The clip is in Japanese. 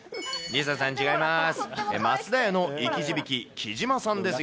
梨紗さん、違います。